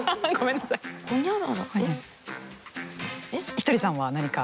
ひとりさんは何か？